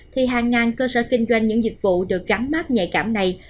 thì hàng ngàn cơ sở kinh doanh những dịch vụ được gắn mát nhạy cảm này